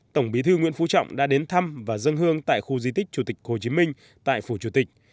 tổng bí thư nguyễn phú trọng đã đến thăm và dân hương tại khu di tích chủ tịch hồ chí minh tại phủ chủ tịch